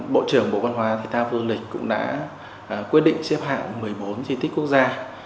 bộ trưởng bộ văn hóa thể thao vô lịch cũng đã quyết định xếp hạng một mươi bốn di tích quốc gia